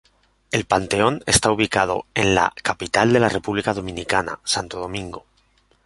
El Panteón está ubicado en la capital de la República Dominicana, Santo Domingo.